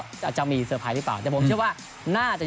อาจจะมีสเซอร์ไพรส์หรือเปล่า